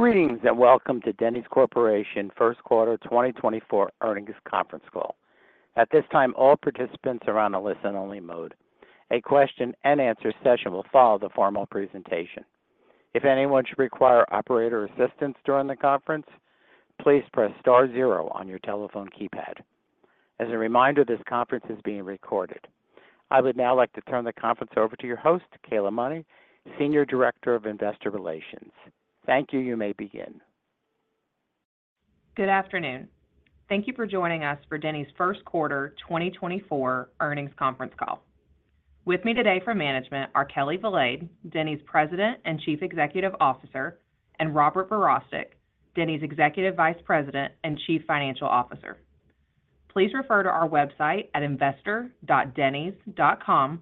Greetings, and welcome to Denny's Corporation First Quarter 2024 Earnings Conference Call. At this time, all participants are on a listen-only mode. A question-and-answer session will follow the formal presentation. If anyone should require operator assistance during the conference, please press star zero on your telephone keypad. As a reminder, this conference is being recorded. I would now like to turn the conference over to your host, Kayla Money, Senior Director of Investor Relations. Thank you. You may begin. Good afternoon. Thank you for joining us for Denny's First Quarter 2024 earnings conference call. With me today from management are Kelli Valade, Denny's President and Chief Executive Officer, and Robert Verostek, Denny's Executive Vice President and Chief Financial Officer. Please refer to our website at investor.dennys.com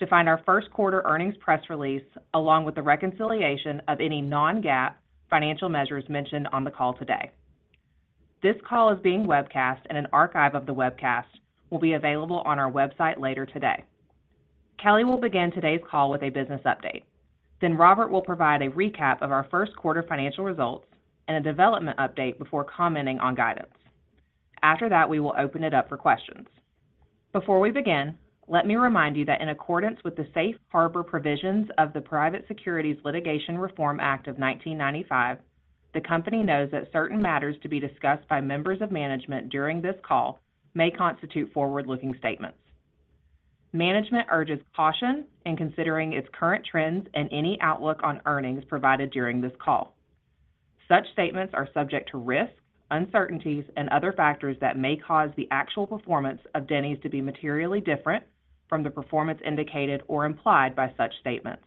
to find our first quarter earnings press release, along with the reconciliation of any non-GAAP financial measures mentioned on the call today. This call is being webcast, and an archive of the webcast will be available on our website later today. Kelli will begin today's call with a business update. Then Robert will provide a recap of our first quarter financial results and a development update before commenting on guidance. After that, we will open it up for questions. Before we begin, let me remind you that in accordance with the safe harbor provisions of the Private Securities Litigation Reform Act of 1995, the company knows that certain matters to be discussed by members of management during this call may constitute forward-looking statements. Management urges caution in considering its current trends and any outlook on earnings provided during this call. Such statements are subject to risks, uncertainties, and other factors that may cause the actual performance of Denny's to be materially different from the performance indicated or implied by such statements.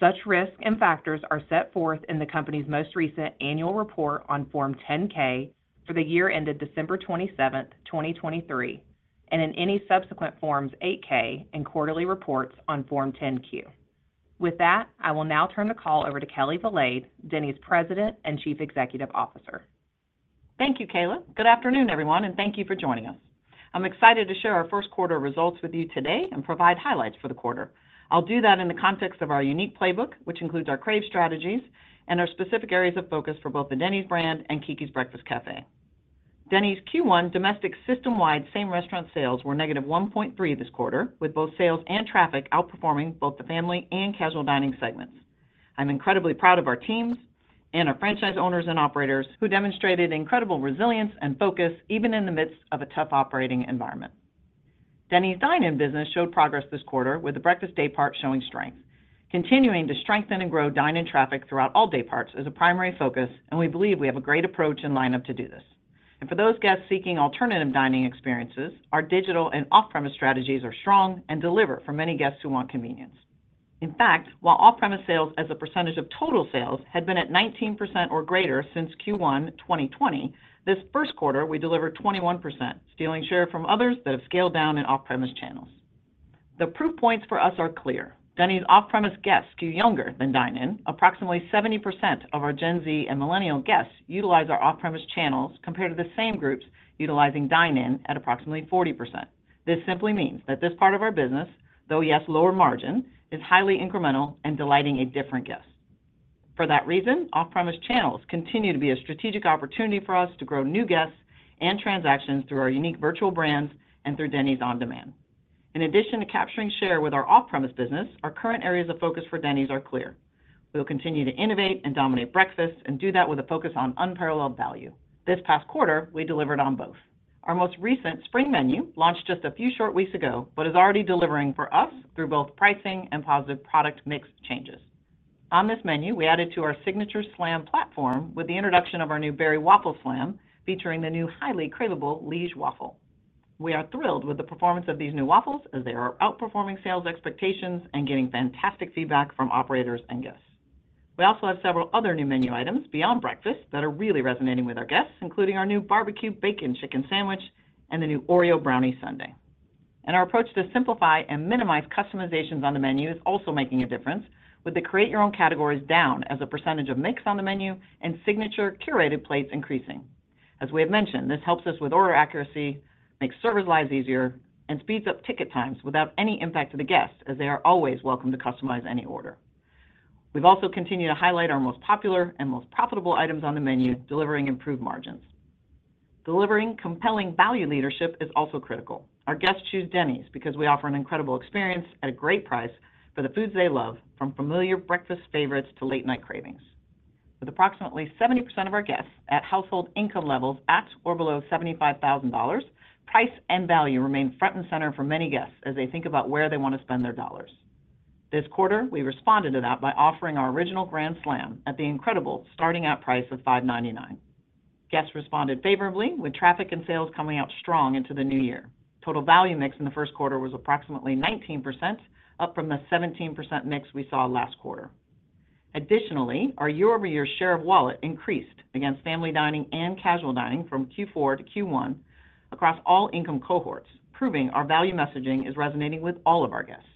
Such risks and factors are set forth in the company's most recent annual report on Form 10-K for the year ended December 27, 2023, and in any subsequent Forms 8-K and quarterly reports on Form 10-Q. With that, I will now turn the call over to Kelli Valade, Denny's President and Chief Executive Officer. Thank you, Kayla. Good afternoon, everyone, and thank you for joining us. I'm excited to share our first quarter results with you today and provide highlights for the quarter. I'll do that in the context of our unique playbook, which includes our CRAVE strategies and our specific areas of focus for both the Denny's brand and Keke's Breakfast Cafe. Denny's Q1 domestic system-wide same restaurant sales were negative 1.3 this quarter, with both sales and traffic outperforming both the family and casual dining segments. I'm incredibly proud of our teams and our franchise owners and operators, who demonstrated incredible resilience and focus even in the midst of a tough operating environment. Denny's dine-in business showed progress this quarter, with the breakfast day part showing strength. Continuing to strengthen and grow dine-in traffic throughout all day parts is a primary focus, and we believe we have a great approach in lineup to do this. And for those guests seeking alternative dining experiences, our digital and off-premise strategies are strong and deliver for many guests who want convenience. In fact, while off-premise sales as a percentage of total sales had been at 19% or greater since Q1 2020, this first quarter, we delivered 21%, stealing share from others that have scaled down in off-premise channels. The proof points for us are clear. Denny's off-premise guests skew younger than dine-in. Approximately 70% of our Gen Z and millennial guests utilize our off-premise channels, compared to the same groups utilizing dine-in at approximately 40%. This simply means that this part of our business, though, yes, lower margin, is highly incremental and delighting a different guest. For that reason, off-premise channels continue to be a strategic opportunity for us to grow new guests and transactions through our unique virtual brands and through Denny's On Demand. In addition to capturing share with our off-premise business, our current areas of focus for Denny's are clear. We will continue to innovate and dominate breakfast and do that with a focus on unparalleled value. This past quarter, we delivered on both. Our most recent spring menu launched just a few short weeks ago, but is already delivering for us through both pricing and positive product mix changes. On this menu, we added to our signature Slam platform with the introduction of our new Berry Waffle Slam, featuring the new highly craveable Liege waffle. We are thrilled with the performance of these new waffles, as they are outperforming sales expectations and getting fantastic feedback from operators and guests. We also have several other new menu items beyond breakfast that are really resonating with our guests, including our new Barbecue Bacon Chicken Sandwich and the new OREO Brownie Sundae. Our approach to simplify and minimize customizations on the menu is also making a difference, with the create-your-own categories down as a percentage of mix on the menu and signature curated plates increasing. As we have mentioned, this helps us with order accuracy, makes servers' lives easier, and speeds up ticket times without any impact to the guests, as they are always welcome to customize any order. We've also continued to highlight our most popular and most profitable items on the menu, delivering improved margins. Delivering compelling value leadership is also critical. Our guests choose Denny's because we offer an incredible experience at a great price for the foods they love, from familiar breakfast favorites to late-night cravings. With approximately 70% of our guests at household income levels at or below $75,000, price and value remain front and center for many guests as they think about where they want to spend their dollars. This quarter, we responded to that by offering our Original Grand Slam at the incredible starting at price of $5.99. Guests responded favorably, with traffic and sales coming out strong into the new year. Total value mix in the first quarter was approximately 19%, up from the 17% mix we saw last quarter. Additionally, our year-over-year share of wallet increased against family dining and casual dining from Q4 to Q1 across all income cohorts, proving our value messaging is resonating with all of our guests.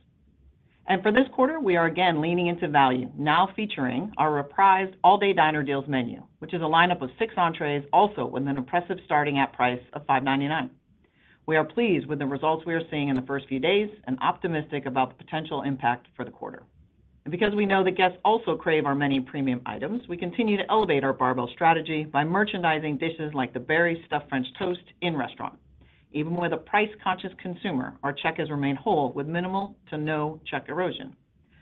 For this quarter, we are again leaning into value, now featuring our reprised All Day Diner Deals menu, which is a lineup of 6 entrees, also with an impressive starting at price of $5.99. We are pleased with the results we are seeing in the first few days and optimistic about the potential impact for the quarter. Because we know that guests also crave our many premium items, we continue to elevate our barbell strategy by merchandising dishes like the Berry Stuffed French Toast in restaurant. Even with a price-conscious consumer, our check has remained whole, with minimal to no check erosion.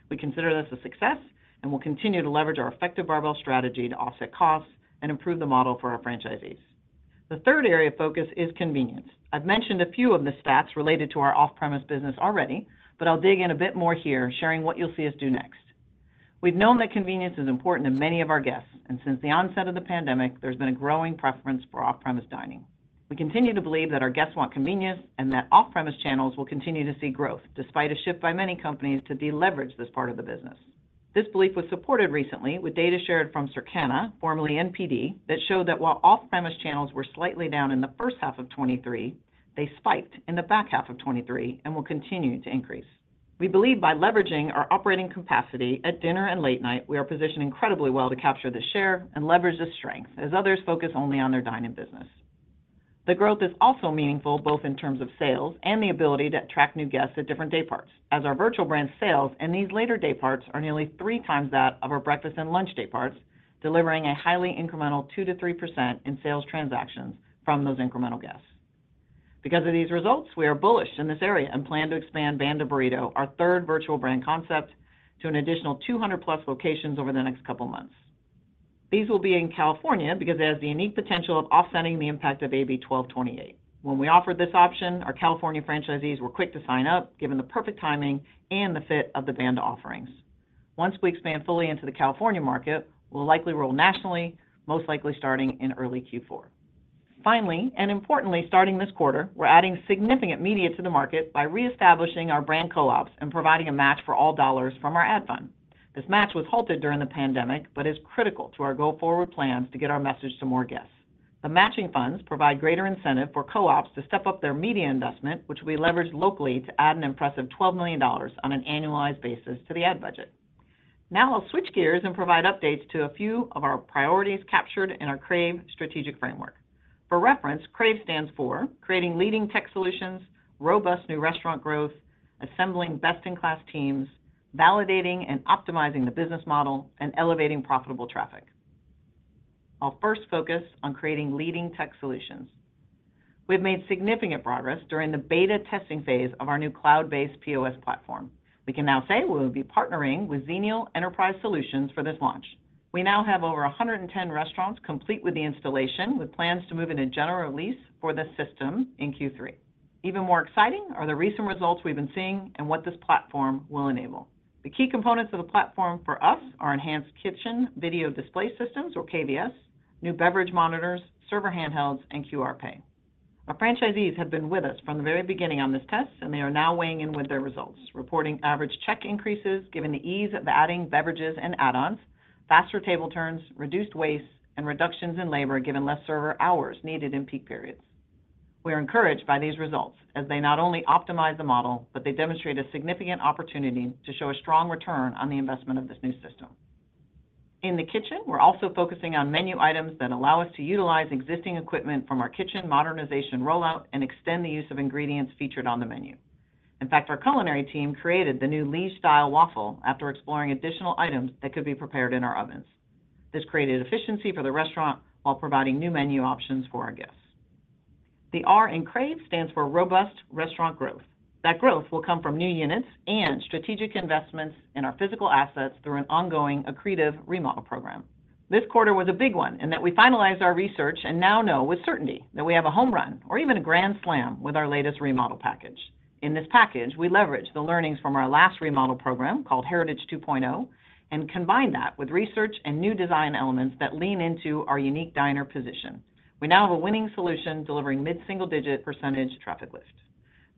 We consider this a success, and we'll continue to leverage our effective barbell strategy to offset costs and improve the model for our franchisees. The third area of focus is convenience. I've mentioned a few of the stats related to our off-premise business already, but I'll dig in a bit more here, sharing what you'll see us do next. We've known that convenience is important to many of our guests, and since the onset of the pandemic, there's been a growing preference for off-premise dining. We continue to believe that our guests want convenience and that off-premise channels will continue to see growth, despite a shift by many companies to deleverage this part of the business. This belief was supported recently with data shared from Circana, formerly NPD, that showed that while off-premise channels were slightly down in the first half of 2023, they spiked in the back half of 2023 and will continue to increase. We believe by leveraging our operating capacity at dinner and late night, we are positioned incredibly well to capture the share and leverage this strength as others focus only on their dine-in business. The growth is also meaningful, both in terms of sales and the ability to attract new guests at different day parts, as our virtual brand sales in these later day parts are nearly 3 times that of our breakfast and lunch day parts, delivering a highly incremental 2%-3% in sales transactions from those incremental guests. Because of these results, we are bullish in this area and plan to expand Banda Burrito, our third virtual brand concept, to an additional 200+ locations over the next couple of months. These will be in California because it has the unique potential of offsetting the impact of AB 1228. When we offered this option, our California franchisees were quick to sign up, given the perfect timing and the fit of the Banda offerings. Once we expand fully into the California market, we'll likely roll nationally, most likely starting in early Q4. Finally, and importantly, starting this quarter, we're adding significant media to the market by reestablishing our brand co-ops and providing a match for all dollars from our ad fund. This match was halted during the pandemic but is critical to our go-forward plans to get our message to more guests. The matching funds provide greater incentive for co-ops to step up their media investment, which we leverage locally to add an impressive $12 million on an annualized basis to the ad budget. Now I'll switch gears and provide updates to a few of our priorities captured in our CRAVE strategic framework. For reference, CRAVE stands for Creating leading tech solutions, Robust new restaurant growth, Assembling best-in-class teams, Validating and optimizing the business model, and Elevating profitable traffic. I'll first focus on creating leading tech solutions. We've made significant progress during the beta testing phase of our new cloud-based POS platform. We can now say we will be partnering with Xenial Enterprise Solutions for this launch. We now have over 110 restaurants complete with the installation, with plans to move into general release for this system in Q3. Even more exciting are the recent results we've been seeing and what this platform will enable. The key components of the platform for us are enhanced kitchen video display systems, or KVS, new beverage monitors, server handhelds, and QR Pay. Our franchisees have been with us from the very beginning on this test, and they are now weighing in with their results, reporting average check increases, given the ease of adding beverages and add-ons, faster table turns, reduced waste, and reductions in labor, given less server hours needed in peak periods. We are encouraged by these results as they not only optimize the model, but they demonstrate a significant opportunity to show a strong return on the investment of this new system. In the kitchen, we're also focusing on menu items that allow us to utilize existing equipment from our kitchen modernization rollout and extend the use of ingredients featured on the menu. In fact, our culinary team created the new Liege-style waffle after exploring additional items that could be prepared in our ovens. This created efficiency for the restaurant while providing new menu options for our guests. The R in CRAVE stands for robust restaurant growth. That growth will come from new units and strategic investments in our physical assets through an ongoing accretive remodel program. This quarter was a big one in that we finalized our research and now know with certainty that we have a home run or even a grand slam with our latest remodel package. In this package, we leveraged the learnings from our last remodel program, called Heritage 2.0, and combined that with research and new design elements that lean into our unique diner position. We now have a winning solution, delivering mid-single-digit percentage traffic lift.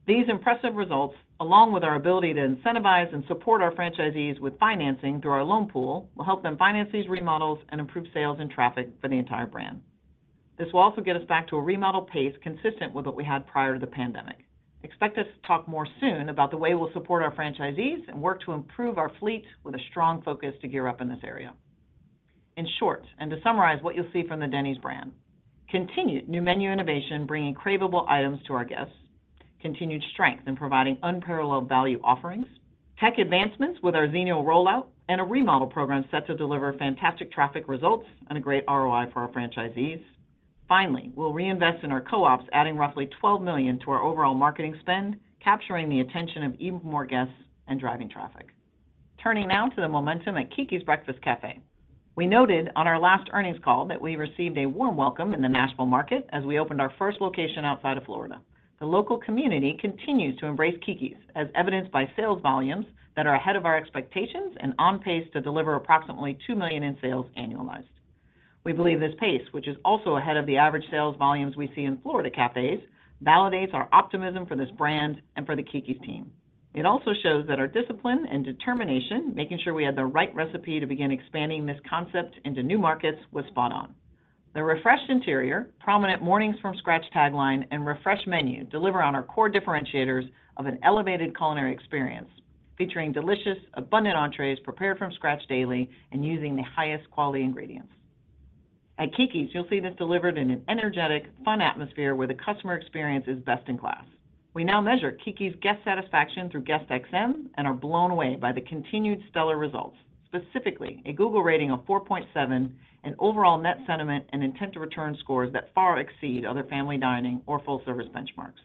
These impressive results, along with our ability to incentivize and support our franchisees with financing through our loan pool, will help them finance these remodels and improve sales and traffic for the entire brand. This will also get us back to a remodel pace consistent with what we had prior to the pandemic. Expect us to talk more soon about the way we'll support our franchisees and work to improve our fleet with a strong focus to gear up in this area. In short, and to summarize what you'll see from the Denny's brand, continued new menu innovation, bringing craveable items to our guests, continued strength in providing unparalleled value offerings, tech advancements with our Xenial rollout, and a remodel program set to deliver fantastic traffic results and a great ROI for our franchisees. Finally, we'll reinvest in our co-ops, adding roughly $12 million to our overall marketing spend, capturing the attention of even more guests and driving traffic. Turning now to the momentum at Keke's Breakfast Cafe. We noted on our last earnings call that we received a warm welcome in the Nashville market as we opened our first location outside of Florida. The local community continues to embrace Keke's, as evidenced by sales volumes that are ahead of our expectations and on pace to deliver approximately $2 million in sales annualized. We believe this pace, which is also ahead of the average sales volumes we see in Florida cafes, validates our optimism for this brand and for the Keke's team. It also shows that our discipline and determination, making sure we had the right recipe to begin expanding this concept into new markets, was spot on. The refreshed interior, prominent Mornings from Scratch tagline, and refreshed menu deliver on our core differentiators of an elevated culinary experience, featuring delicious, abundant entrees prepared from scratch daily and using the highest quality ingredients.... At Keke's, you'll see this delivered in an energetic, fun atmosphere where the customer experience is best in class. We now measure Keke's guest satisfaction through GuestXM and are blown away by the continued stellar results, specifically a Google rating of 4.7, an overall net sentiment and intent to return scores that far exceed other family dining or full-service benchmarks.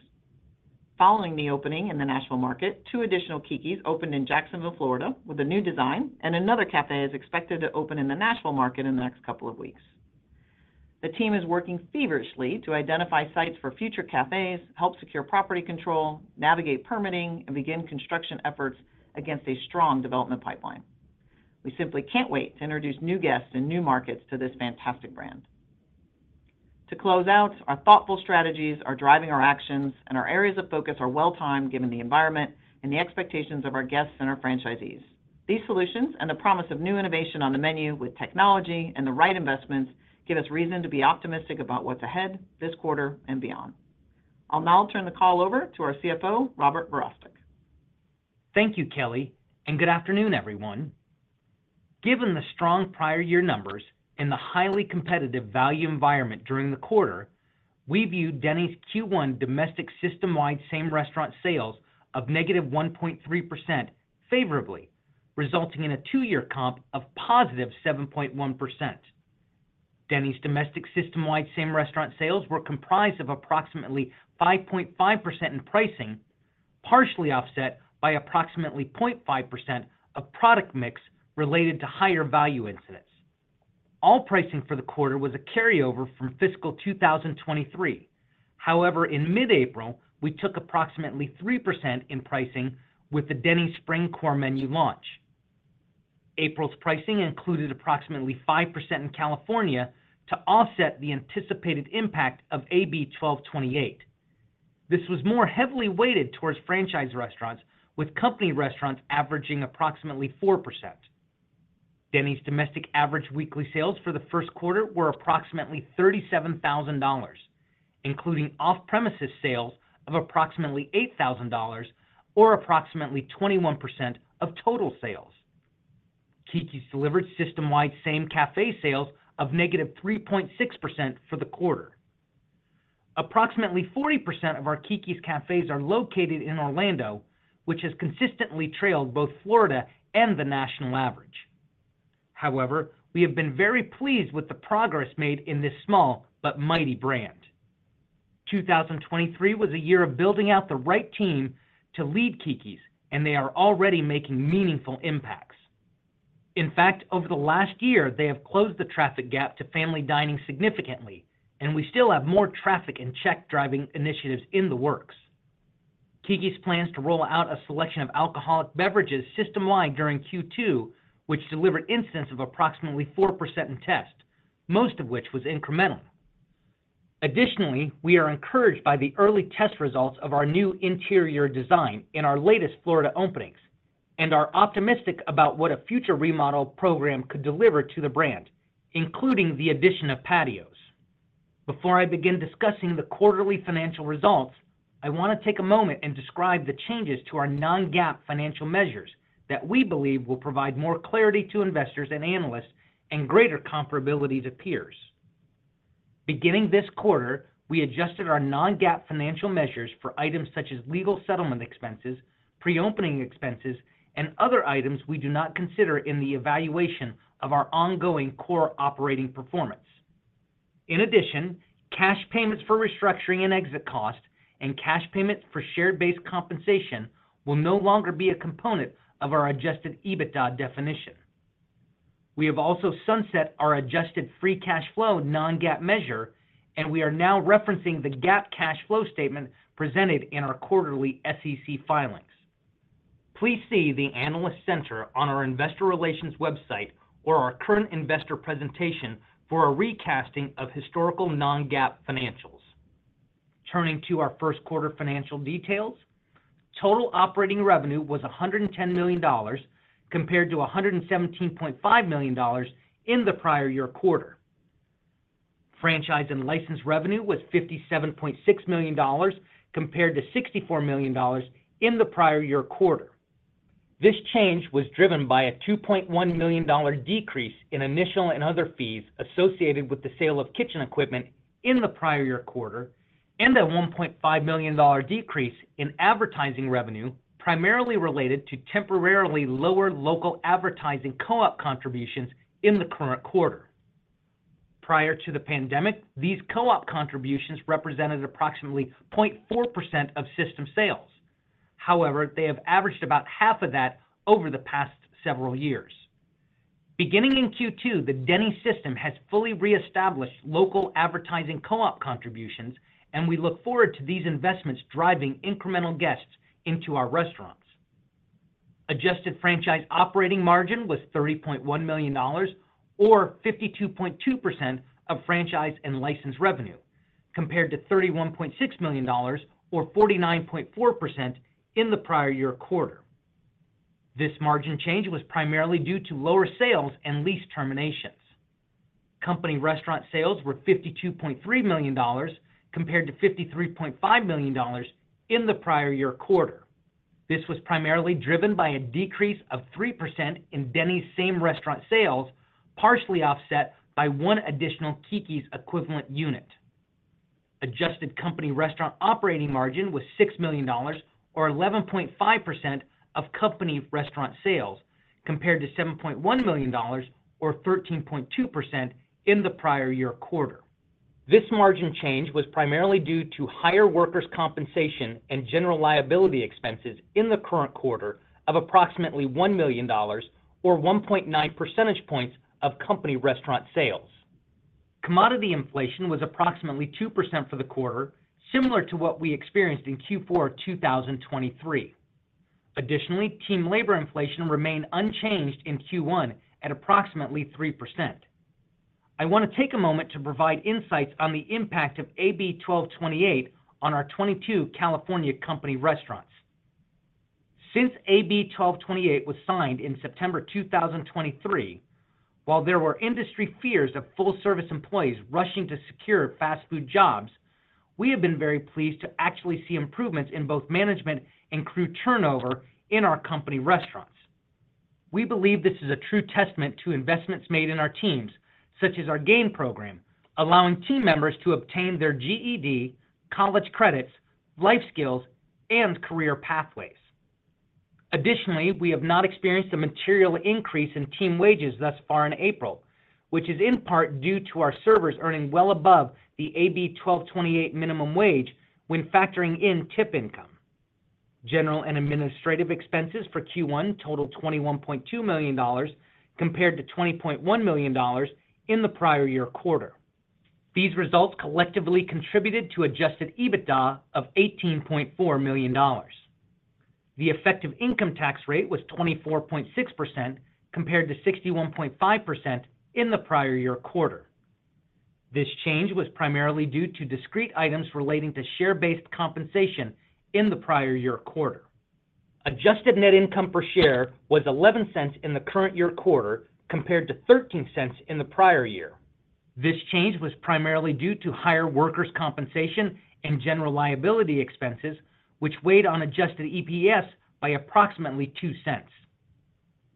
Following the opening in the Nashville market, two additional Keke's opened in Jacksonville, Florida, with a new design, and another cafe is expected to open in the Nashville market in the next couple of weeks. The team is working feverishly to identify sites for future cafes, help secure property control, navigate permitting, and begin construction efforts against a strong development pipeline. We simply can't wait to introduce new guests and new markets to this fantastic brand. To close out, our thoughtful strategies are driving our actions, and our areas of focus are well-timed, given the environment and the expectations of our guests and our franchisees. These solutions and the promise of new innovation on the menu with technology and the right investments give us reason to be optimistic about what's ahead this quarter and beyond. I'll now turn the call over to our CFO, Robert Verostek. Thank you, Kelli, and good afternoon, everyone. Given the strong prior year numbers and the highly competitive value environment during the quarter, we view Denny's Q1 domestic system-wide same restaurant sales of negative 1.3% favorably, resulting in a two-year comp of positive 7.1%. Denny's domestic system-wide same restaurant sales were comprised of approximately 5.5% in pricing, partially offset by approximately 0.5% of product mix related to higher value incidents. All pricing for the quarter was a carryover from fiscal 2023. However, in mid-April, we took approximately 3% in pricing with the Denny's Spring Core Menu launch. April's pricing included approximately 5% in California to offset the anticipated impact of AB 1228. This was more heavily weighted towards franchise restaurants, with company restaurants averaging approximately 4%. Denny's domestic average weekly sales for the first quarter were approximately $37,000, including off-premises sales of approximately $8,000 or approximately 21% of total sales. Keke's delivered system-wide same cafe sales of -3.6% for the quarter. Approximately 40% of our Keke's cafes are located in Orlando, which has consistently trailed both Florida and the national average. However, we have been very pleased with the progress made in this small but mighty brand. 2023 was a year of building out the right team to lead Keke's, and they are already making meaningful impacts. In fact, over the last year, they have closed the traffic gap to family dining significantly, and we still have more traffic and check driving initiatives in the works. Keke's plans to roll out a selection of alcoholic beverages system-wide during Q2, which delivered an increase of approximately 4% in tests, most of which was incremental. Additionally, we are encouraged by the early test results of our new interior design in our latest Florida openings and are optimistic about what a future remodel program could deliver to the brand, including the addition of patios. Before I begin discussing the quarterly financial results, I want to take a moment and describe the changes to our non-GAAP financial measures that we believe will provide more clarity to investors and analysts and greater comparability to peers. Beginning this quarter, we adjusted our non-GAAP financial measures for items such as legal settlement expenses, pre-opening expenses, and other items we do not consider in the evaluation of our ongoing core operating performance. In addition, cash payments for restructuring and exit costs and cash payments for share-based compensation will no longer be a component of our adjusted EBITDA definition. We have also sunset our adjusted free cash flow non-GAAP measure, and we are now referencing the GAAP cash flow statement presented in our quarterly SEC filings. Please see the Analyst Center on our investor relations website or our current investor presentation for a recasting of historical non-GAAP financials. Turning to our first quarter financial details, total operating revenue was $110 million, compared to $117.5 million in the prior year quarter. Franchise and license revenue was $57.6 million, compared to $64 million in the prior year quarter. This change was driven by a $2.1 million decrease in initial and other fees associated with the sale of kitchen equipment in the prior year quarter, and a $1.5 million decrease in advertising revenue, primarily related to temporarily lower local advertising co-op contributions in the current quarter. Prior to the pandemic, these co-op contributions represented approximately 0.4% of system sales. However, they have averaged about half of that over the past several years. Beginning in Q2, the Denny's system has fully reestablished local advertising co-op contributions, and we look forward to these investments driving incremental guests into our restaurants. Adjusted franchise operating margin was $30.1 million or 52.2% of franchise and licensed revenue, compared to $31.6 million or 49.4% in the prior year quarter. This margin change was primarily due to lower sales and lease terminations. Company restaurant sales were $52.3 million, compared to $53.5 million in the prior year quarter.... This was primarily driven by a decrease of 3% in Denny's Same Restaurant Sales, partially offset by one additional Keke's equivalent unit. Adjusted company restaurant operating margin was $6 million, or 11.5% of company restaurant sales, compared to $7.1 million, or 13.2% in the prior year quarter. This margin change was primarily due to higher workers' compensation and general liability expenses in the current quarter of approximately $1 million, or 1.9 percentage points of company restaurant sales. Commodity inflation was approximately 2% for the quarter, similar to what we experienced in Q4, 2023. Additionally, team labor inflation remained unchanged in Q1 at approximately 3%. I want to take a moment to provide insights on the impact of AB 1228 on our 22 California company restaurants. Since AB 1228 was signed in September 2023, while there were industry fears of full service employees rushing to secure fast food jobs, we have been very pleased to actually see improvements in both management and crew turnover in our company restaurants. We believe this is a true testament to investments made in our teams, such as our GAIN program, allowing team members to obtain their GED, college credits, life skills, and career pathways. Additionally, we have not experienced a material increase in team wages thus far in April, which is in part due to our servers earning well above the AB 1228 minimum wage when factoring in tip income. General and administrative expenses for Q1 totaled $21.2 million, compared to $20.1 million in the prior year quarter. These results collectively contributed to adjusted EBITDA of $18.4 million. The effective income tax rate was 24.6%, compared to 61.5% in the prior year quarter. This change was primarily due to discrete items relating to share-based compensation in the prior year quarter. Adjusted net income per share was $0.11 in the current year quarter, compared to $0.13 in the prior year. This change was primarily due to higher workers' compensation and general liability expenses, which weighed on adjusted EPS by approximately $0.02.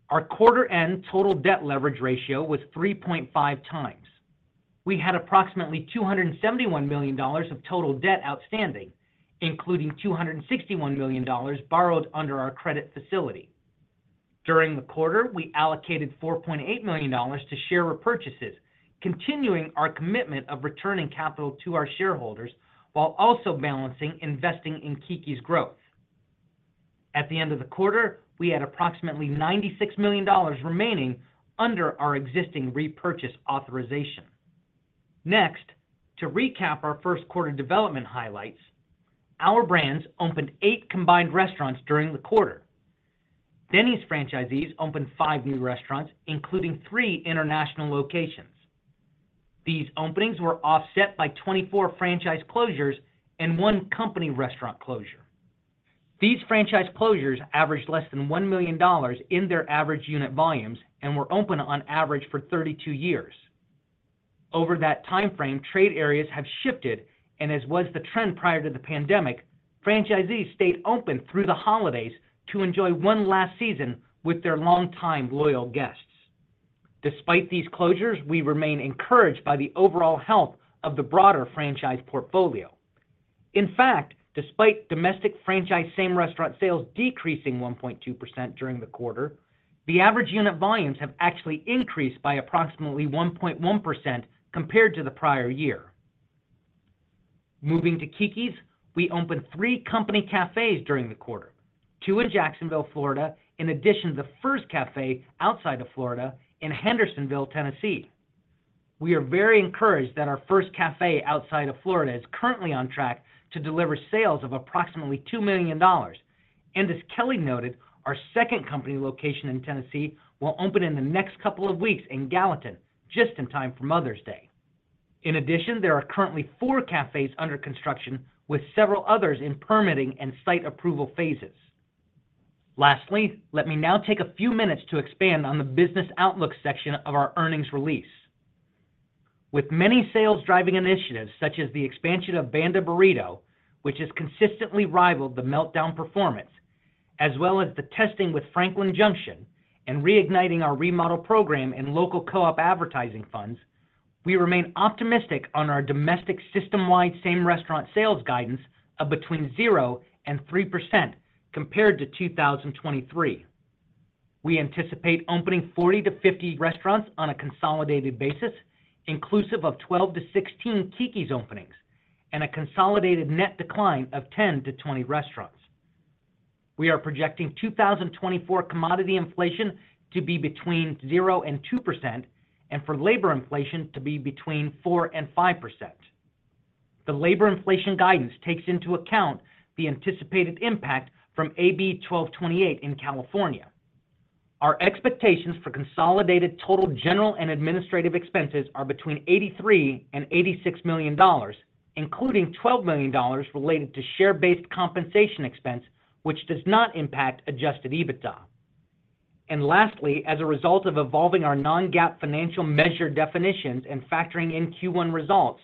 Our quarter end total debt leverage ratio was 3.5x. We had approximately $271 million of total debt outstanding, including $261 million borrowed under our credit facility. During the quarter, we allocated $4.8 million to share repurchases, continuing our commitment of returning capital to our shareholders, while also balancing investing in Keke's growth. At the end of the quarter, we had approximately $96 million remaining under our existing repurchase authorization. Next, to recap our first quarter development highlights, our brands opened 8 combined restaurants during the quarter. Denny's franchisees opened 5 new restaurants, including 3 international locations. These openings were offset by 24 franchise closures and 1 company restaurant closure. These franchise closures averaged less than $1 million in their average unit volumes and were open on average for 32 years. Over that timeframe, trade areas have shifted, and as was the trend prior to the pandemic, franchisees stayed open through the holidays to enjoy one last season with their longtime loyal guests. Despite these closures, we remain encouraged by the overall health of the broader franchise portfolio. In fact, despite domestic franchise Same Restaurant Sales decreasing 1.2% during the quarter, the average unit volumes have actually increased by approximately 1.1% compared to the prior year. Moving to Keke's, we opened three company cafes during the quarter, two in Jacksonville, Florida, in addition to the first cafe outside of Florida in Hendersonville, Tennessee. We are very encouraged that our first cafe outside of Florida is currently on track to deliver sales of approximately $2 million, and as Kelli noted, our second company location in Tennessee will open in the next couple of weeks in Gallatin, just in time for Mother's Day. In addition, there are currently 4 cafes under construction, with several others in permitting and site approval phases. Lastly, let me now take a few minutes to expand on the business outlook section of our earnings release. With many sales-driving initiatives, such as the expansion of Banda Burrito, which has consistently rivaled The Meltdown performance, as well as the testing with Franklin Junction and reigniting our remodel program in local co-op advertising funds, we remain optimistic on our domestic system-wide Same Restaurant Sales guidance of between 0% and 3% compared to 2023. We anticipate opening 40-50 restaurants on a consolidated basis, inclusive of 12-16 Keke's openings and a consolidated net decline of 10-20 restaurants. We are projecting 2024 commodity inflation to be between 0%-2%, and for labor inflation to be between 4%-5%. The labor inflation guidance takes into account the anticipated impact from AB 1228 in California. Our expectations for consolidated total general and administrative expenses are between $83 million-$86 million, including $12 million related to share-based compensation expense, which does not impact adjusted EBITDA. And lastly, as a result of evolving our non-GAAP financial measure definitions and factoring in Q1 results,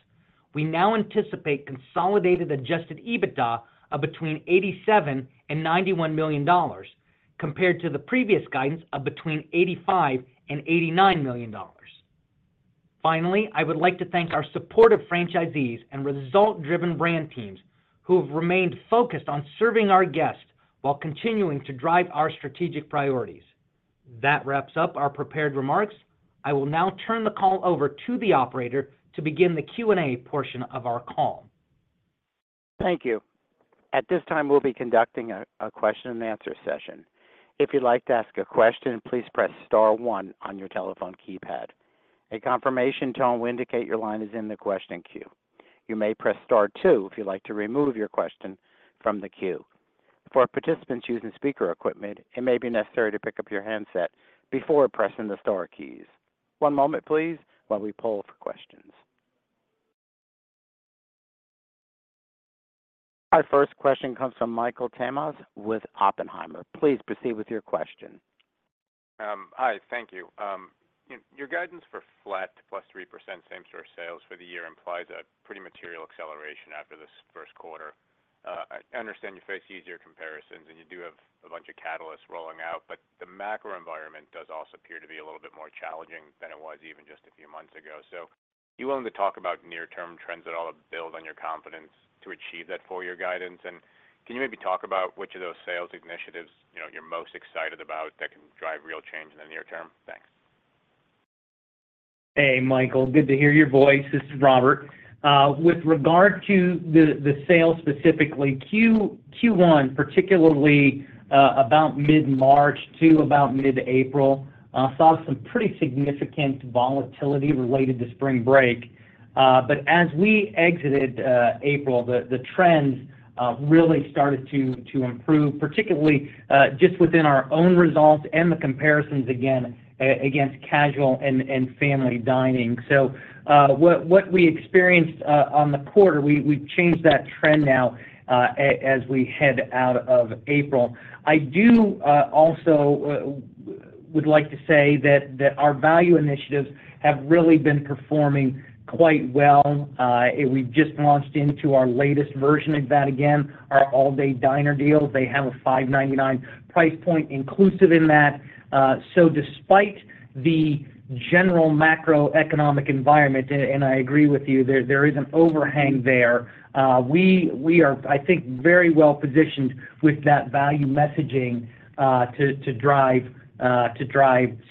we now anticipate consolidated adjusted EBITDA of between $87 million-$91 million, compared to the previous guidance of between $85 million-$89 million. Finally, I would like to thank our supportive franchisees and result-driven brand teams, who have remained focused on serving our guests while continuing to drive our strategic priorities. That wraps up our prepared remarks. I will now turn the call over to the operator to begin the Q&A portion of our call. Thank you. At this time, we'll be conducting a question and answer session. If you'd like to ask a question, please press star one on your telephone keypad. A confirmation tone will indicate your line is in the question queue. You may press star two if you'd like to remove your question from the queue. For participants using speaker equipment, it may be necessary to pick up your handset before pressing the star keys. One moment, please, while we poll for questions. Our first question comes from Michael Tamas with Oppenheimer. Please proceed with your question. Hi. Thank you. Your guidance for flat to +3% same-store sales for the year implies a pretty material acceleration after this first quarter. I understand you face easier comparisons, and you do have a bunch of catalysts rolling out, but the macro environment does also appear to be a little bit more challenging than it was even just a few months ago. So are you willing to talk about near-term trends at all to build on your confidence to achieve that full-year guidance? And can you maybe talk about which of those sales initiatives, you know, you're most excited about that can drive real change in the near term? Thanks. Hey, Michael. Good to hear your voice. This is Robert. With regard to the sales specifically, Q1, particularly about mid-March to about mid-April, saw some pretty significant volatility related to spring break. But as we exited April, the trends really started to improve, particularly just within our own results and the comparisons again against casual and family dining. So, what we experienced on the quarter, we've changed that trend now as we head out of April. I do also would like to say that our value initiatives have really been performing quite well. And we've just launched into our latest version of that again, our All Day Diner Deals. They have a $5.99 price point inclusive in that. So despite the general macroeconomic environment, and I agree with you, there is an overhang there, we are, I think, very well positioned with that value messaging, to drive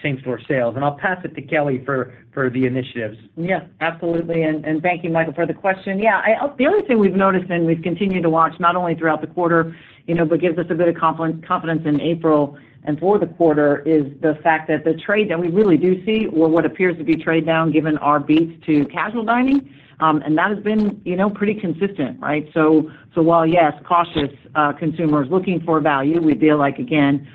same-store sales. And I'll pass it to Kelli for the initiatives. Yeah, absolutely. And thank you, Michael, for the question. Yeah, I, the only thing we've noticed and we've continued to watch, not only throughout the quarter, you know, but gives us a bit of confidence, confidence in April and for the quarter, is the fact that the trade that we really do see, or what appears to be trade down, given our beats to casual dining, and that has been, you know, pretty consistent, right? So while, yes, cautious consumers looking for value, we feel like, again,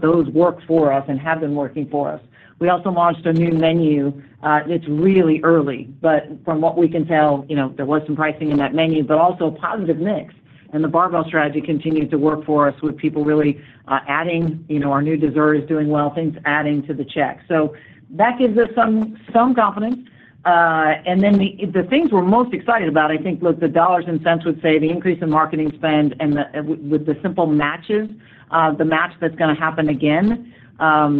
those work for us and have been working for us. We also launched a new menu, and it's really early, but from what we can tell, you know, there was some pricing in that menu, but also a positive mix. And the barbell strategy continued to work for us, with people really adding... You know, our new dessert is doing well, things adding to the check. So that gives us some confidence. And then the things we're most excited about, I think, look, the dollars and cents would say the increase in marketing spend and the with the simple math, the match that's going to happen again,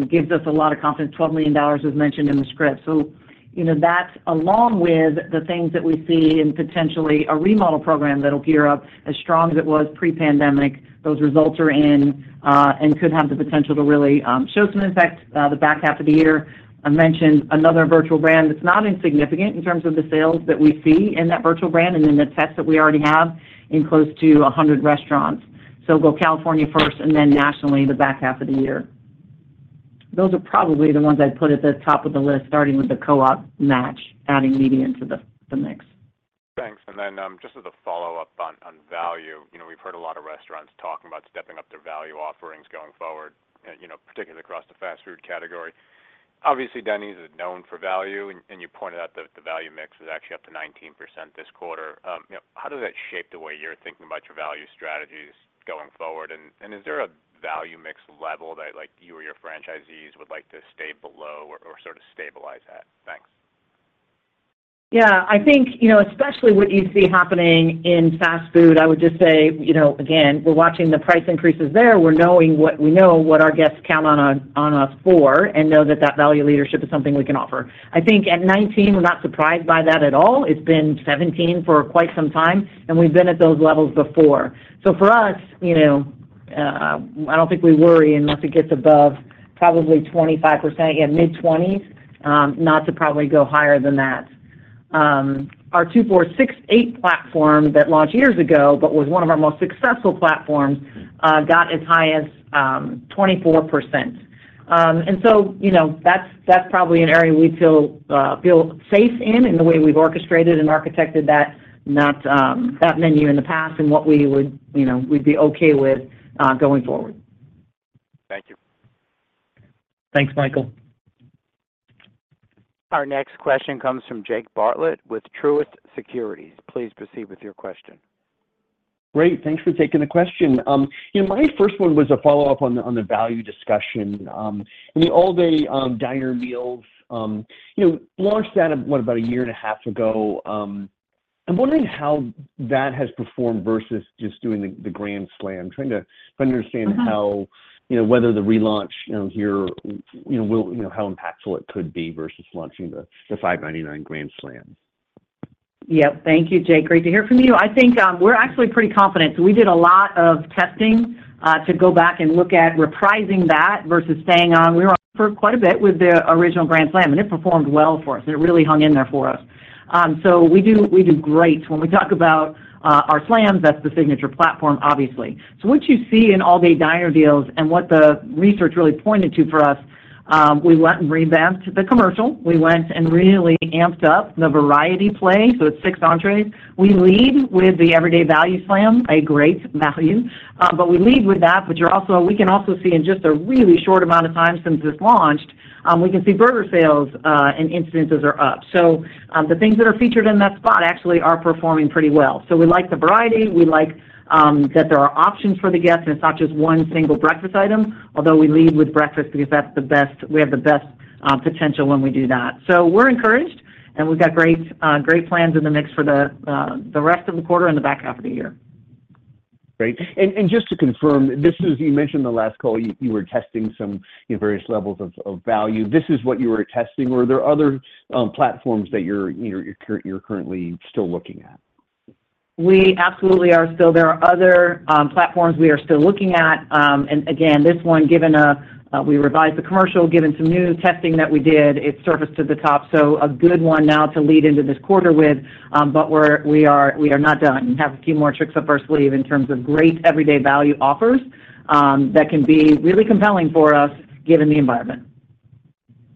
gives us a lot of confidence. $12 million was mentioned in the script. So you know, that along with the things that we see in potentially a remodel program that'll gear up as strong as it was pre-pandemic, those results are in, and could have the potential to really show some impact, the back half of the year. I mentioned another virtual brand that's not insignificant in terms of the sales that we see in that virtual brand and in the tests that we already have in close to 100 restaurants. So go California first and then nationally in the back half of the year. Those are probably the ones I'd put at the top of the list, starting with the co-op match, adding media into the mix. Thanks. And then, just as a follow-up on, on value, you know, we've heard a lot of restaurants talking about stepping up their value offerings going forward, you know, particularly across the fast food category. Obviously, Denny's is known for value, and, and you pointed out that the value mix is actually up to 19% this quarter. You know, how does that shape the way you're thinking about your value strategies going forward? And, and is there a value mix level that, like, you or your franchisees would like to stay below or, or sort of stabilize at? Thanks. Yeah, I think, you know, especially what you see happening in fast food, I would just say, you know, again, we're watching the price increases there. We're knowing what we know, what our guests count on us for, and know that that value leadership is something we can offer. I think at 19, we're not surprised by that at all. It's been 17 for quite some time, and we've been at those levels before. So for us, you know, I don't think we worry unless it gets above probably 25%. Again, mid-twenties, not to probably go higher than that. Our 2-4-6-8 platform that launched years ago, but was one of our most successful platforms, got as high as 24%. And so, you know, that's probably an area we feel safe in, in the way we've orchestrated and architected that menu in the past and what we would, you know, we'd be okay with going forward. Thank you. Thanks, Michael. Our next question comes from Jake Bartlett with Truist Securities. Please proceed with your question. Great, thanks for taking the question. You know, my first one was a follow-up on the value discussion. The All Day Diner Meals, you know, launched that, what, about a year and a half ago? I'm wondering how that has performed versus just doing the Grand Slam. Trying to understand- Mm-hmm... how, you know, whether the relaunch, you know, here, you know, will, you know, how impactful it could be versus launching the $5.99 Grand Slam. Yep. Thank you, Jake. Great to hear from you. I think, we're actually pretty confident. So we did a lot of testing to go back and look at repricing that versus staying on. We were on for quite a bit with the Original Grand Slam, and it performed well for us, and it really hung in there for us. So we do great. When we talk about our Slams, that's the signature platform, obviously. So what you see in All Day Diner Deals and what the research really pointed to for us, we went and revamped the commercial. We went and really amped up the variety play, so it's six entrees. We lead with the Everyday Value Slam, a great value, but we lead with that, but you're also, we can also see in just a really short amount of time since this launched, we can see burger sales, and incidences are up. So, the things that are featured in that spot actually are performing pretty well. So we like the variety, we like, that there are options for the guests, and it's not just one single breakfast item, although we lead with breakfast because that's the best, we have the best, potential when we do that. So we're encouraged, and we've got great, great plans in the mix for the, the rest of the quarter and the back half of the year. Great. And just to confirm, this is... You mentioned in the last call, you were testing some, you know, various levels of value. This is what you were testing, or are there other platforms that you're currently still looking at? We absolutely are still. There are other platforms we are still looking at. And again, this one, given we revised the commercial, given some new testing that we did, it surfaced to the top. So a good one now to lead into this quarter with, but we are not done. We have a few more tricks up our sleeve in terms of great everyday value offers that can be really compelling for us, given the environment.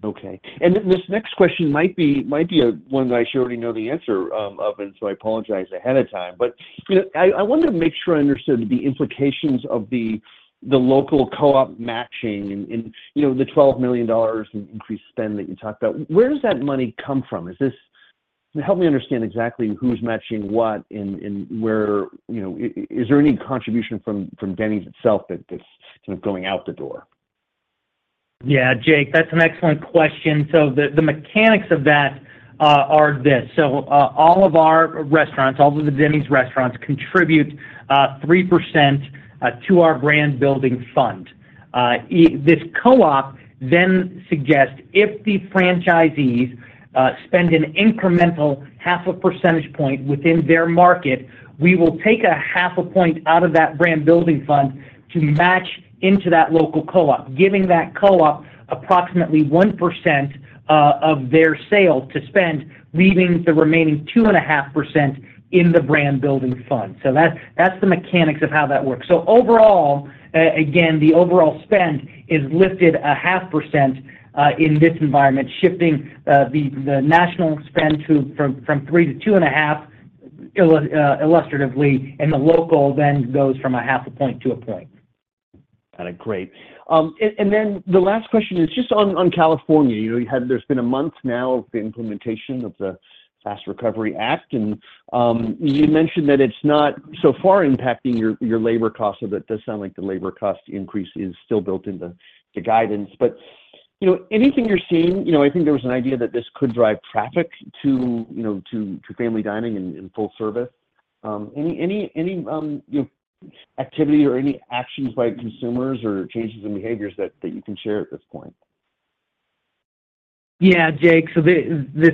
Okay. And then this next question might be a one that I should already know the answer of, and so I apologize ahead of time. But, you know, I wanted to make sure I understood the implications of the local co-op matching and, you know, the $12 million in increased spend that you talked about. Where does that money come from? Is this? Help me understand exactly who's matching what and where. You know, is there any contribution from Denny's itself that is kind of going out the door? Yeah, Jake, that's an excellent question. So the mechanics of that are this: so all of our restaurants, all of the Denny's restaurants, contribute three percent to our Brand Building Fund. This co-op then suggests if the franchisees spend an incremental half a percentage point within their market, we will take a half a point out of that Brand Building Fund to match into that local co-op, giving that co-op approximately 1% of their sale to spend, leaving the remaining 2.5% in the Brand Building Fund. So that, that's the mechanics of how that works. So overall, again, the overall spend is lifted 0.5%, in this environment, shifting the national spend from 3 to 2.5, illustratively, and the local then goes from 0.5 point to 1 point. Got it. Great. And then the last question is just on California. You know, you had, there's been a month now of the implementation of the FAST Recovery Act, and you mentioned that it's not so far impacting your labor costs, so that does sound like the labor cost increase is still built into the guidance. But, you know, anything you're seeing, you know, I think there was an idea that this could drive traffic to, you know, to family dining and full service. Any activity or any actions by consumers or changes in behaviors that you can share at this point? Yeah, Jake. So this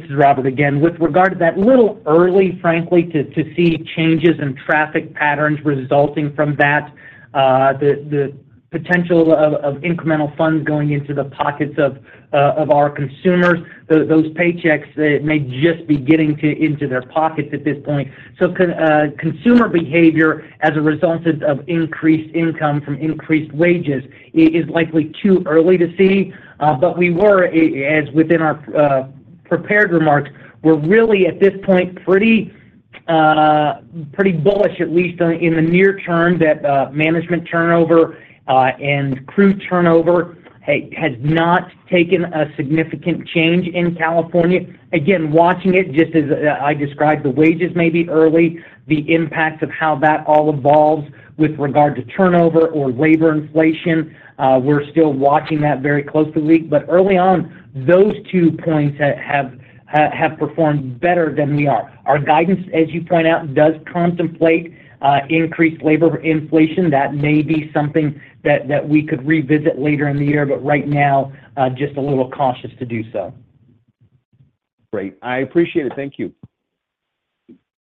is Robert again. With regard to that, a little early, frankly, to see changes in traffic patterns resulting from that. The potential of incremental funds going into the pockets of our consumers, those paychecks may just be getting into their pockets at this point. So consumer behavior as a result of increased income from increased wages is likely too early to see. But as within our prepared remarks, we're really, at this point, pretty bullish, at least in the near term, that management turnover and crew turnover has not taken a significant change in California. Again, watching it, just as I described, the wages may be early, the impact of how that all evolves with regard to turnover or labor inflation, we're still watching that very closely. But early on, those two points have performed better than we are. Our guidance, as you point out, does contemplate increased labor inflation. That may be something that we could revisit later in the year, but right now, just a little cautious to do so. Great. I appreciate it. Thank you.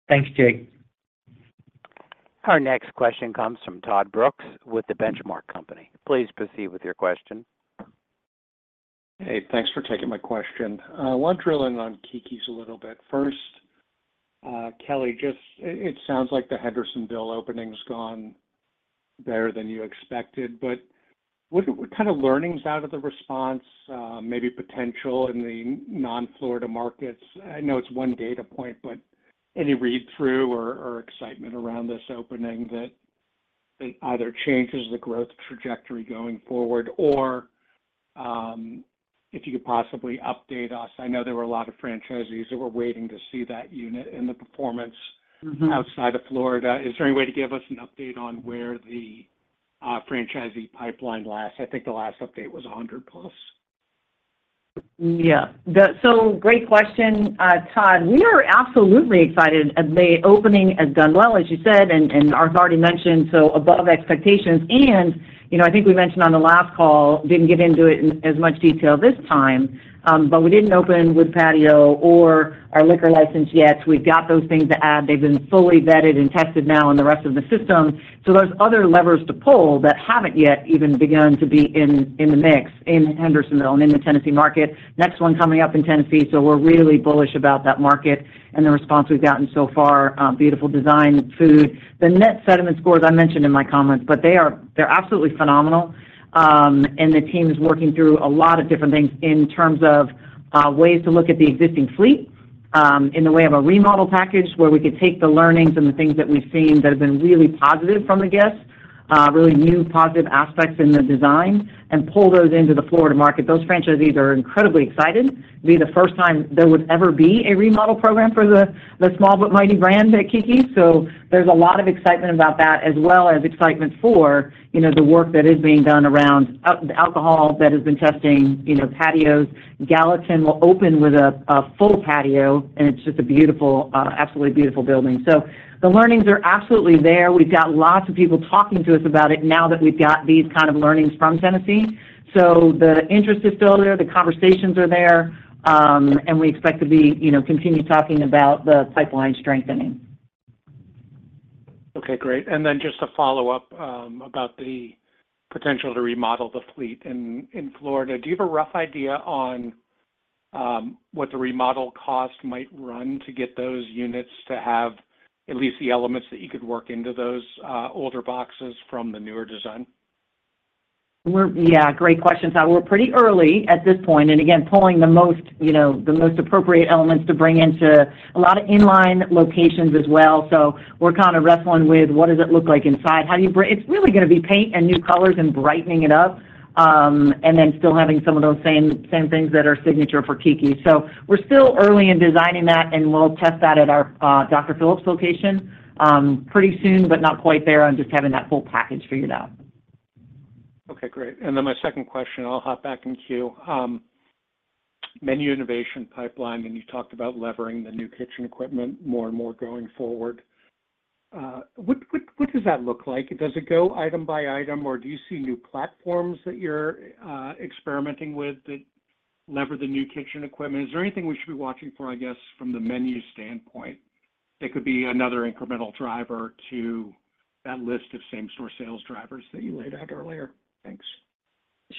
Thanks, Jake. Our next question comes from Todd Brooks with The Benchmark Company. Please proceed with your question. Hey, thanks for taking my question. I want to drill in on Keke's a little bit. First, Kelli, just... It sounds like the Hendersonville opening's gone better than you expected, but what kind of learnings out of the response, maybe potential in the non-Florida markets? I know it's one data point, but any read-through or excitement around this opening that-... either changes the growth trajectory going forward, or if you could possibly update us. I know there were a lot of franchisees that were waiting to see that unit and the performance- Mm-hmm. -outside of Florida. Is there any way to give us an update on where the franchisee pipeline stands? I think the last update was 100 plus. Yeah. So great question, Todd. We are absolutely excited. The opening has done well, as you said, and Robert already mentioned, so above expectations. You know, I think we mentioned on the last call, didn't get into it in as much detail this time, but we didn't open with patio or our liquor license yet. We've got those things to add. They've been fully vetted and tested now in the rest of the system. So there's other levers to pull that haven't yet even begun to be in the mix in Hendersonville and in the Tennessee market. Next one coming up in Tennessee, so we're really bullish about that market and the response we've gotten so far, beautiful design, food. The net sentiment scores I mentioned in my comments, but they are, they're absolutely phenomenal. And the team is working through a lot of different things in terms of ways to look at the existing fleet in the way of a remodel package, where we could take the learnings and the things that we've seen that have been really positive from the guests, really new positive aspects in the design and pull those into the Florida market. Those franchisees are incredibly excited. It'll be the first time there would ever be a remodel program for the small but mighty brand at Keke's. So there's a lot of excitement about that, as well as excitement for, you know, the work that is being done around alcohol that has been testing, you know, patios. Gallatin will open with a full patio, and it's just a beautiful, absolutely beautiful building. So the learnings are absolutely there. We've got lots of people talking to us about it now that we've got these kind of learnings from Tennessee. So the interest is still there, the conversations are there, and we expect to be, you know, continue talking about the pipeline strengthening. Okay, great. And then just to follow up, about the potential to remodel the fleet in Florida. Do you have a rough idea on what the remodel cost might run to get those units to have at least the elements that you could work into those older boxes from the newer design? Yeah, great question. So we're pretty early at this point, and again, pulling the most, you know, the most appropriate elements to bring into a lot of inline locations as well. So we're kind of wrestling with, what does it look like inside? How do you—It's really gonna be paint and new colors and brightening it up, and then still having some of those same, same things that are signature for Keke's. So we're still early in designing that, and we'll test that at our Dr. Phillips location pretty soon, but not quite there on just having that full package figured out. Okay, great. And then my second question, I'll hop back in queue. Menu innovation pipeline, and you talked about levering the new kitchen equipment more and more going forward. What does that look like? Does it go item by item, or do you see new platforms that you're experimenting with that lever the new kitchen equipment? Is there anything we should be watching for, I guess, from the menu standpoint, that could be another incremental driver to that list of same-store sales drivers that you laid out earlier? Thanks.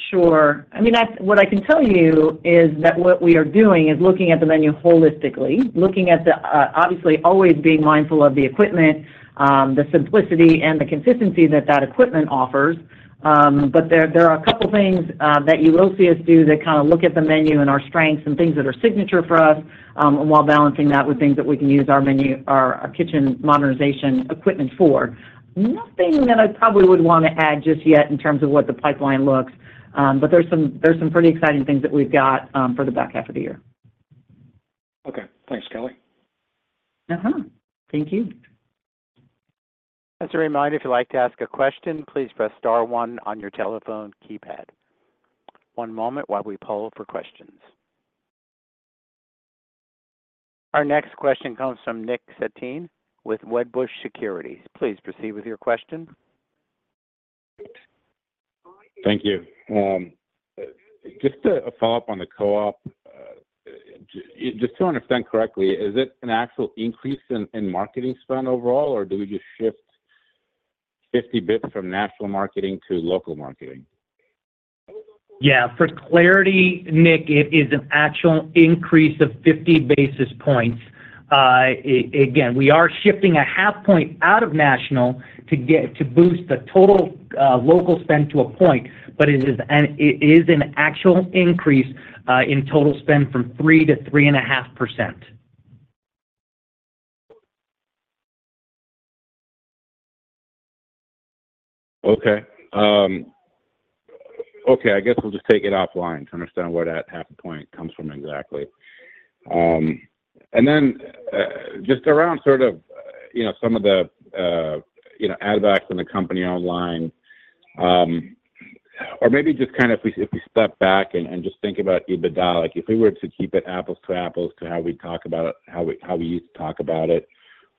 Sure. I mean, that's what I can tell you is that what we are doing is looking at the menu holistically, looking at the obviously, always being mindful of the equipment, the simplicity and the consistency that that equipment offers. But there are a couple of things that you will see us do that kind of look at the menu and our strengths and things that are signature for us, while balancing that with things that we can use our menu, our kitchen modernization equipment for. Nothing that I probably would want to add just yet in terms of what the pipeline looks. But there's some, there's some pretty exciting things that we've got for the back half of the year. Okay. Thanks, Kelli. Mm-hmm. Thank you. As a reminder, if you'd like to ask a question, please press star one on your telephone keypad. One moment while we poll for questions. Our next question comes from Nick Setyan with Wedbush Securities. Please proceed with your question. Thank you. Just a follow-up on the co-op. Just to understand correctly, is it an actual increase in, in marketing spend overall, or do we just shift 50 bps from national marketing to local marketing? Yeah, for clarity, Nick, it is an actual increase of 50 basis points. Again, we are shifting 0.5 point out of national to boost the total local spend to a point, but it is an actual increase in total spend from 3% to 3.5%. Okay. Okay, I guess we'll just take it offline to understand where that 0.5 point comes from exactly. And then, just around sort of, you know, some of the, you know, add-backs on the company-owned, or maybe just kind of if we, if we step back and, and just think about EBITDA, like, if we were to keep it apples to apples to how we talk about it—how we, how we used to talk about it,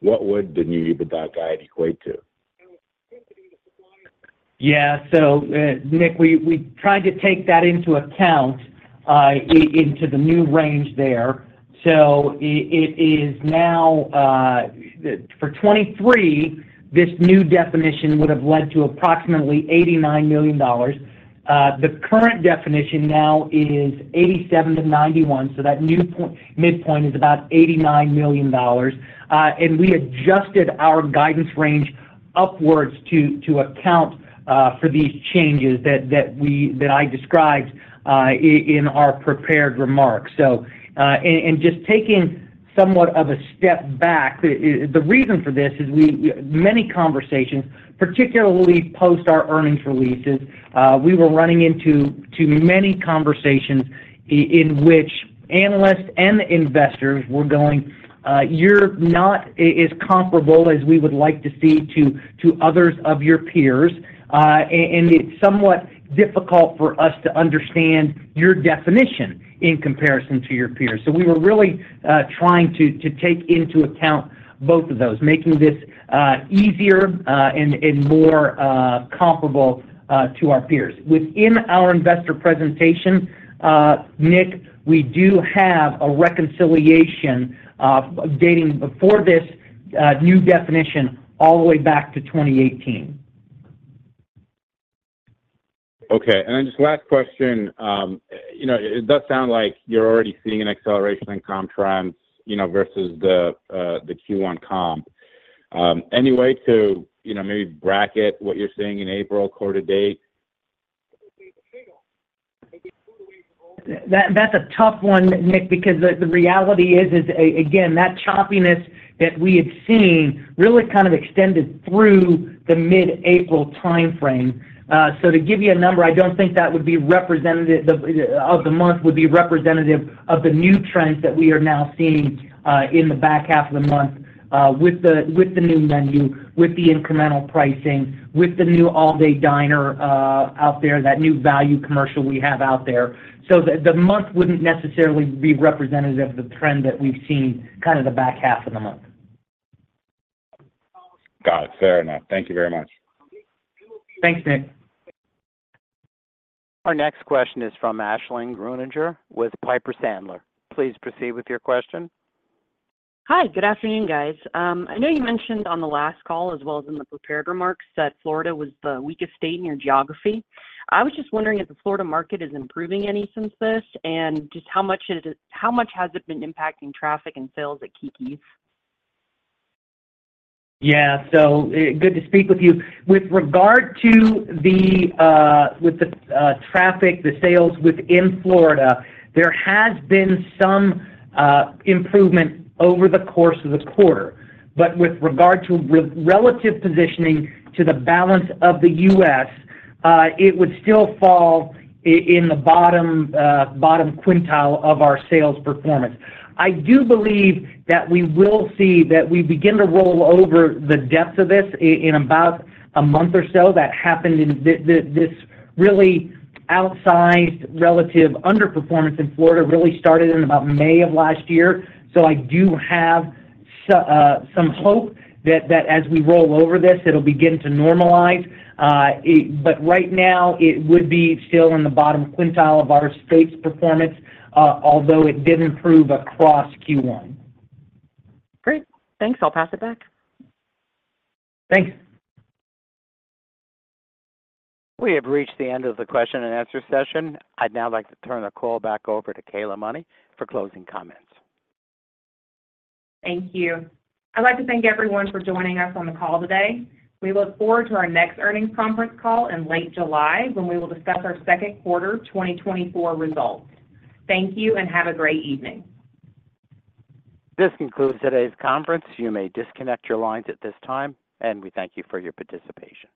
what would the new EBITDA guide equate to? Yeah. So, Nick, we tried to take that into account into the new range there. So it is now, for 2023, this new definition would have led to approximately $89 million. The current definition now is $87 million-$91 million, so that new point midpoint is about $89 million. And we adjusted our guidance range upwards to account for these changes that I described in our prepared remarks. So, and just taking-... somewhat of a step back. The reason for this is we, many conversations, particularly post our earnings releases, we were running into too many conversations in which analysts and investors were going, "You're not as comparable as we would like to see to others of your peers, and it's somewhat difficult for us to understand your definition in comparison to your peers." So we were really trying to take into account both of those, making this easier and more comparable to our peers. Within our investor presentation, Nick, we do have a reconciliation dating before this new definition all the way back to 2018. Okay, and then just last question. You know, it does sound like you're already seeing an acceleration in comp trends, you know, versus the, the Q1 comp. Any way to, you know, maybe bracket what you're seeing in April quarter-to-date? That's a tough one, Nick, because the reality is again that choppiness that we had seen really kind of extended through the mid-April timeframe. So to give you a number, I don't think that would be representative of the month, would be representative of the new trends that we are now seeing in the back half of the month with the new menu, with the incremental pricing, with the new All Day Diner out there, that new value commercial we have out there. So the month wouldn't necessarily be representative of the trend that we've seen kind of the back half of the month. Got it. Fair enough. Thank you very much. Thanks, Nick. Our next question is from Aisling Grueninger, with Piper Sandler. Please proceed with your question. Hi, good afternoon, guys. I know you mentioned on the last call as well as in the prepared remarks, that Florida was the weakest state in your geography. I was just wondering if the Florida market is improving any since this, and just how much has it been impacting traffic and sales at Keke's? Yeah. So good to speak with you. With regard to the traffic, the sales within Florida, there has been some improvement over the course of the quarter. But with regard to relative positioning to the balance of the US, it would still fall in the bottom quintile of our sales performance. I do believe that we will see that we begin to roll over the depths of this in about a month or so. That happened in this really outsized relative underperformance in Florida, really started in about May of last year. So I do have some hope that as we roll over this, it'll begin to normalize. But right now, it would be still in the bottom quintile of our state's performance, although it did improve across Q1. Great. Thanks. I'll pass it back. Thanks. We have reached the end of the question and answer session. I'd now like to turn the call back over to Kayla Money for closing comments. Thank you. I'd like to thank everyone for joining us on the call today. We look forward to our next earnings conference call in late July, when we will discuss our second quarter 2024 results. Thank you, and have a great evening. This concludes today's conference. You may disconnect your lines at this time, and we thank you for your participation.